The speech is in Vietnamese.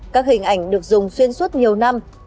các hình ảnh được dùng xuyên suốt nhiều năm